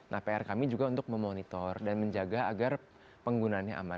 nah pr kami juga untuk memonitor dan menjaga agar penggunaannya aman